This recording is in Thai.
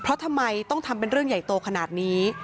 เพราะทำไมต้องทำเป็นเรื่องใหญ่โตขนาดนี้